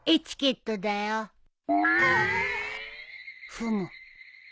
ふむ。